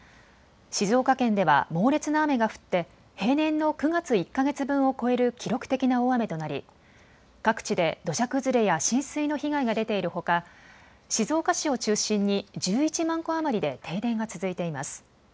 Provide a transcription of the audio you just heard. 静岡県では猛烈な雨が降って平年の９月１か月分を超える記録的な大雨となり各地で土砂崩れや浸水の被害が出ているほか静岡市を中心に１１万戸余りで停電が続いています。